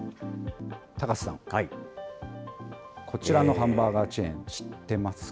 高瀬さん、こちらのハンバーガーチェーン店、知ってますか？